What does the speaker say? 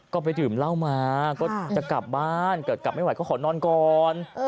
ก็ไปดื่มเหล้ามาก็จะกลับบ้านเกิดกลับไม่ไหวก็ขอนอนก่อน